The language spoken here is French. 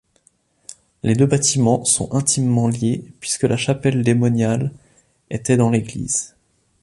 Les deux bâtiments sont intimement liées puisque la chapelle des moniales était dans l'église.